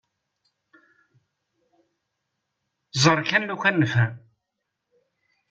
Ẓer kan lukan nefhem.